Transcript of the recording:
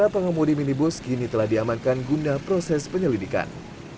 pengamudi minibus kini telah diamankan guna proses penyelidikan